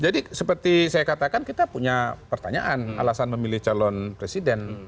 jadi seperti saya katakan kita punya pertanyaan alasan memilih calon presiden